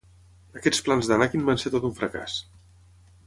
Aquests plans d'Anakin van ser tot un fracàs.